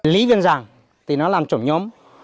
lý văn giàng thì nó làm trổng nhóm